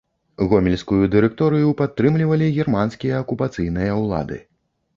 Гомельскую дырэкторыю падтрымлівалі германскія акупацыйныя ўлады.